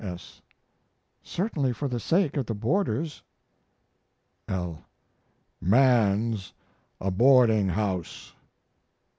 S. Certainly for the sake of the boarders. L. Man's a boarding house.